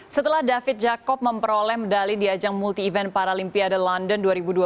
setelah david jacob memperoleh medali di ajang multi event paralimpiade london dua ribu dua puluh